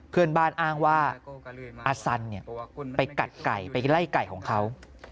เพื่อนบ้านอ้างว่าอาสันไปกัดไก่ไปไล่ไก่ของเขา